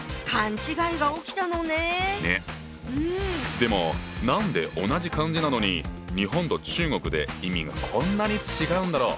でも何で同じ漢字なのに日本と中国で意味がこんなに違うんだろう？